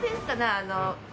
あの。